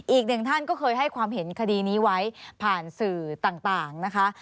อีกหนึ่งท่านก็เคยให้ความเห็นคดีนี้ไว้ผ่านสื่อต่างนะคะ